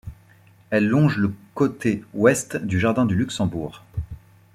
Elle longe le côté ouest du jardin du Luxembourg.